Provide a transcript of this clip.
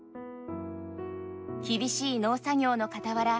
厳しい農作業のかたわら